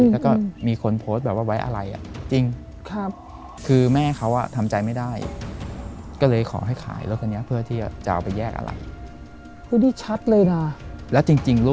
แล้วก็มีคนโพสต์แบบว่าไว้อะไรจริง